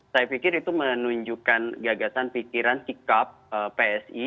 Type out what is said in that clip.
saya pikir itu menunjukkan gagasan pikiran sikap psi